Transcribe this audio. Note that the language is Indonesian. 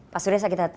pak surya sakit hati